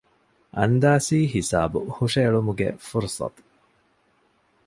އަންދާސީ ހިސާބު ހުށަހެޅުމުގެ ފުރުޞަތު